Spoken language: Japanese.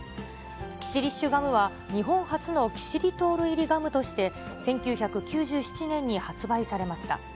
キシリッシュガムは日本初のキシリトール入りガムとして、１９９７年に発売されました。